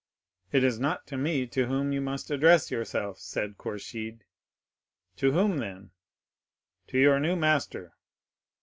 '—'It is not to me to whom you must address yourself,' said Kourchid. "'To whom, then?'—'To your new master.